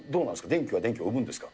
電気は電気を生むんですか？